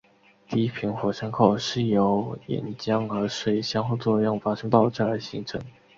低平火山口是由岩浆和水相互作用发生爆炸而形成。